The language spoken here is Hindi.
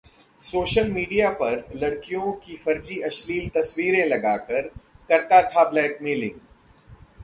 सोशल मीडिया पर लड़कियों की फर्जी अश्लील तस्वीरें लगाकर करता था ब्लैकमेलिंग